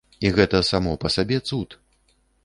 І гэта само па сабе цуд.